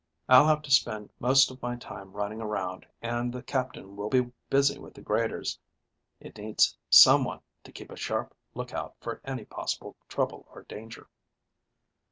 I'll have to spend most of my time running around, and the Captain will be busy with the graders. It needs someone to keep a sharp lookout for any possible trouble or danger."